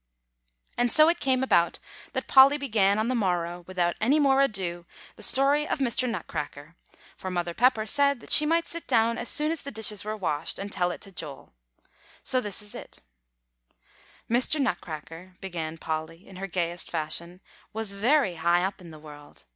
And so it came about that Polly began on the morrow, without any more ado, the story of Mr. Nutcracker; for Mother Pepper said that she might sit down as soon as the dishes were washed, and tell it to Joel. So this is it: "Mr. Nutcracker," began Polly in her gayest fashion, "was very high up in the world.